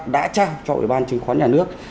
đã trao cho ủy ban chứng khoán nhà nước